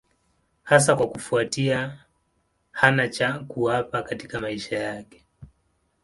Hasa kwa kufuatia hana cha kuwapa katika maisha yake.